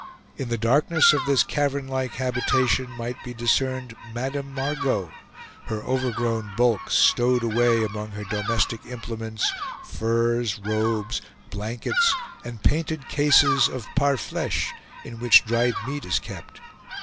In the darkness of this cavern like habitation, might be discerned Madame Margot, her overgrown bulk stowed away among her domestic implements, furs, robes, blankets, and painted cases of PAR' FLECHE, in which dried meat is kept.